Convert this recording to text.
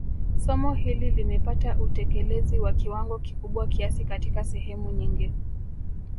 Somo hili limepata utekelezi wa kiwango kikubwa kiasi katika sehemu nyingi